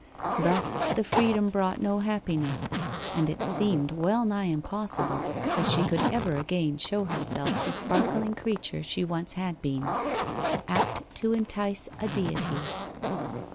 Thus the freedom brought no happiness, and it seemed well nigh impossible that she could ever again show herself the sparkling creature she once had been 'Apt to entice a deity.